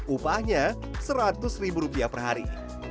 upahnya seratus ribu rupiah per hari